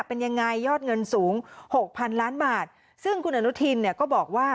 เป็นยังไงยอดเงินสูงหกพันล้านบาทซึ่งคุณอนุทินเนี่ยก็บอกว่า